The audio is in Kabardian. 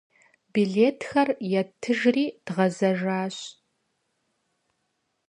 Билетхэр еттыжри дгъэзэжащ.